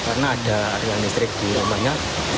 karena ada aliran listrik di rumahnya